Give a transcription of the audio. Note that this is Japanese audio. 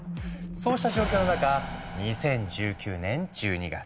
そうした状況の中２０１９年１２月。